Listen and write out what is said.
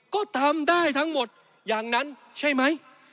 ก็ทำได้ทั้งหมดอย่างนั้นใช่ไหม